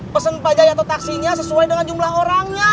pesan pajak atau taksinya sesuai dengan jumlah orangnya